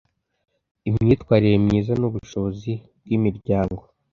imyitwarire myiza n ubushobozi bw imiryango